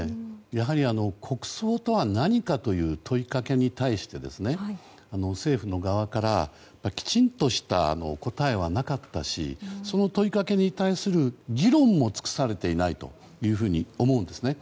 やはり、国葬とは何かという問いかけに対して、政府の側からきちんとした答えはなかったしその問いかけに対する議論も尽くされていないと思うんですね。